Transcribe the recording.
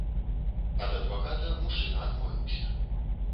Ад адваката мужчына адмовіўся.